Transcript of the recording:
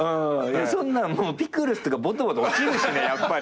そんなんもうピクルスとかぼとぼと落ちるしねやっぱり。